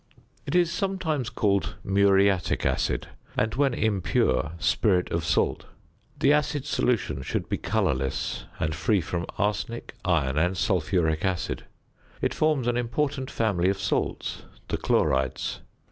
It is sometimes called "muriatic acid," and when impure, "spirit of salt." The acid solution should be colourless and free from arsenic, iron, and sulphuric acid. It forms an important family of salts, the chlorides.